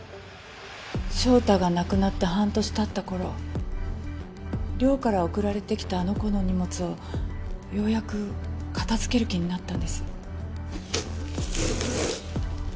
翔太が亡くなって半年経った頃寮から送られてきたあの子の荷物をようやく片付ける気になったんです。